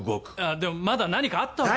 でもまだ何かあったわけじゃ。